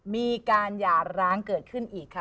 มีการหย่าร้างเกิดขึ้นอีกค่ะ